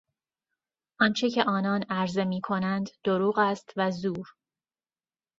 آنچه که آنان عرضه میکنند دروغ است و زور.